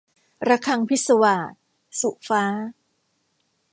ระฆังพิศวาส - สุฟ้า